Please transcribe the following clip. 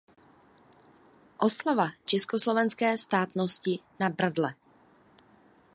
Oslava československé státnosti na Bradle.